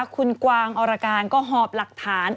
คุณกวางอรการก็หอบหลักฐาน